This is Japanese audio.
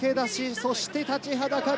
そして立ちはだかる